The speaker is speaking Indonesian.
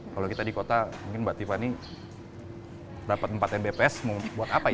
kalau kita di kota mungkin mbak tiffany dapat empat mbps mau buat apa ya